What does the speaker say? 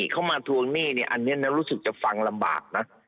เขามาทวงหนี้อันนี้รู้สึกจะฟังลำบากนะ